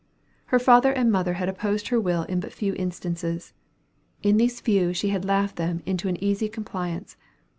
Her father and mother had opposed her will in but few instances. In these few she had laughed them into an easy compliance.